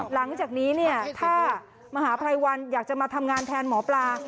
หลังจากนี้เนี่ยถ้ามหาภัยวันอยากจะมาทำงานแทนหมอปลา